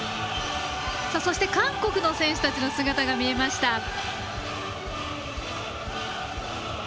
そして韓国の選手たちの姿が見えました。